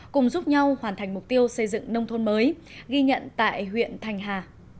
cùng giúp nhau hoàn thành mục tiêu xây dựng nông thôn mới ghi nhận tại huyện thành hà